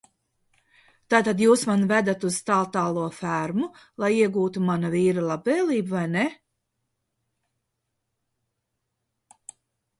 Tātad Jūs mani vedat uz Tāltālo Fermu, lai iegūtu mana vīra labvēlību, vai ne?